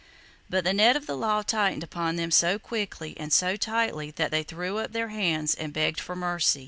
But the net of the law tightened upon them so quickly and so tightly that they threw up their hands and begged for mercy.